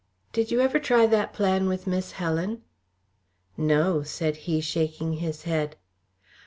"Did you ever try that plan with Miss Helen?" "No," said he, shaking his head.